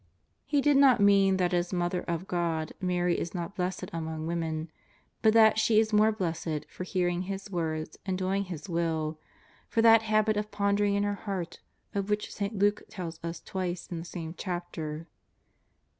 He did not mean that as Mother of God Mary is not blessed among women, but that she is more blessed for hearing His words and doing His will, for that habit of pondering in her heart of which St. Luke tells us twice in the same chapter.